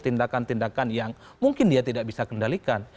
tindakan tindakan yang mungkin dia tidak bisa kendalikan